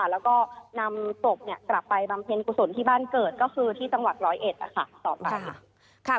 แล้วก็นำกบกลับไปบำเพ็ญกุศลที่บ้านเกิดก็คือที่ตั้งวัด๑๐๑ต่อไป